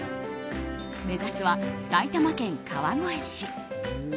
目指すは埼玉県川越市。